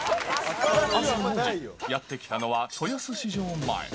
朝４時、やって来たのは豊洲市場前。